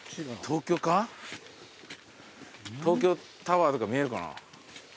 東京タワーとか見えるかな？